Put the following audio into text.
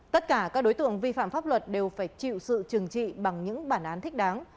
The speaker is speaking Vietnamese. tất cả các đối tượng vi phạm pháp luật đều phải chịu sự trừng trị bằng những bản án thích đáng